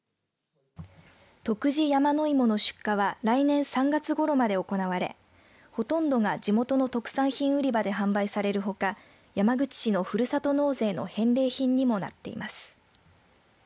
徳地やまのいもの出荷は来年３月ごろまで行われほとんどが地元の特産品売り場で販売されるほか山口市のふるさと納税の返礼品にもなっています。